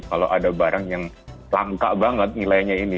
kalau ada barang yang langka banget nilainya ini